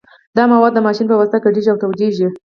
دا مواد د ماشین په واسطه ګډیږي او تودیږي